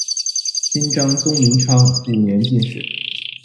金章宗明昌五年进士。